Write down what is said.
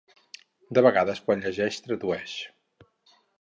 De vegades quan llegeix tradueix.